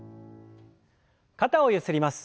肩をゆすります。